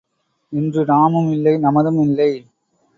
இன்று நாமும் இல்லை நமதும் இல்லை.